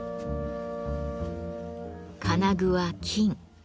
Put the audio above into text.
金具は金。